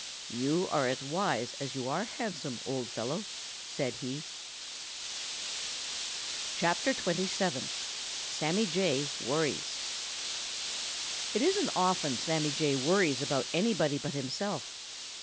"You are as wise as you are handsome, old fellow," said he. CHAPTER XXVII SAMMY JAY WORRIES It isn't often Sammy Jay worries about anybody but himself.